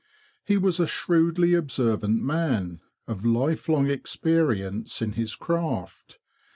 He was a shrewdly observant man, of lifelong experience in his craft.